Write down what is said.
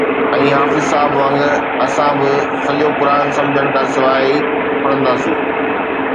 ۽ حافظ صاحب وانگر اسان به سڄو قرآن سمجھڻ کان سواءِ ئي پڙهنداسين